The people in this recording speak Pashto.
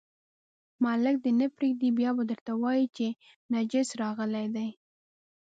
ملک دې نه پرېږدي، بیا به درته وایي چې نجس راغلی دی.